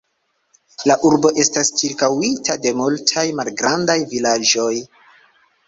La urbo estas ĉirkaŭita de multaj malgrandaj vilaĝoj.